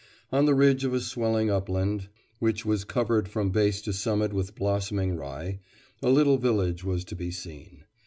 On the ridge of a swelling upland, which was covered from base to summit with blossoming rye, a little village was to be seen.